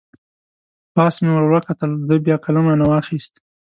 پاس مې ور وکتل، ده بیا قلم را نه واخست.